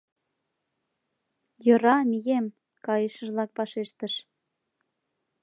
— Йӧра, мием! — кайышыжлак вашештыш.